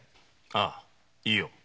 ああいいよ。